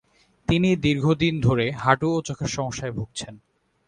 তিনি দীর্ঘদিন ধরে হাঁটু ও চোখের সমস্যায় ভুগছেন।